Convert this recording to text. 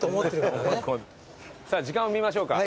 さぁ時間を見ましょうか。